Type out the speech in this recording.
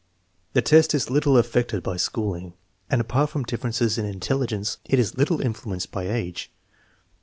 The test is little affected by schooling, and apart from differences in intelligence it is little influenced by age.